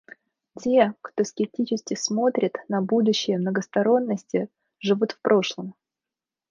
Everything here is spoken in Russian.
Те, кто скептически смотрит на будущее многосторонности, живут в прошлом.